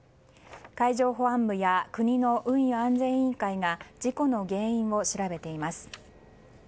海上保安部や国の運輸安全委員会が事故の原因を調べています。